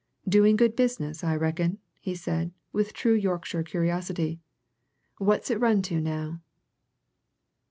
"Doing good business, I reckon?" he said, with true Yorkshire curiosity. "What's it run to, now?"